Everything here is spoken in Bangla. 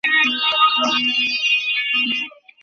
আমি ভয় পেয়ে এমনটা করেছি।